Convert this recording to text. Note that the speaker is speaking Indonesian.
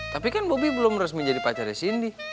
tapi kan bobby belum resmi jadi pacarnya cindy